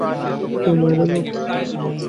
তোর মাইরে বাপ!